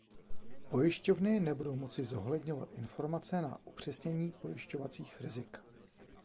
Pojišťovny nebudou moci zohledňovat informace na upřesnění pojišťovacích rizik.